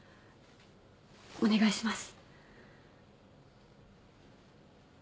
お願いします。